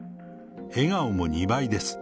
笑顔も２倍です。